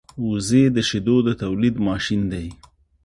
وزې د شیدو د تولېدو ماشین دی